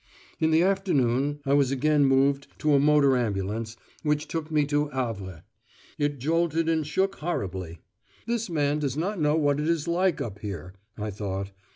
In the afternoon, I was again moved to a motor ambulance, which took me to Havre. It jolted and shook horribly. "This man does not know what it is like up here," I thought.